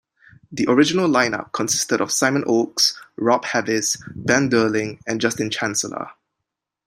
The original line-up consisted of Simon Oakes, Rob Havis, Ben Durling and Justin Chancellor.